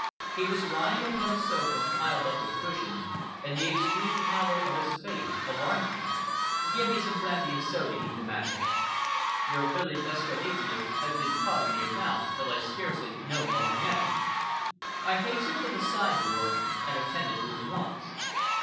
He was lying upon a sofa, piled up with cushions, and the extreme pallor of his face alarmed me. "Give me some brandy and soda," he demanded. "Your village Aesculapius has been prodding me about, till I scarcely know where I am." I hastened to the sideboard and attended to his wants.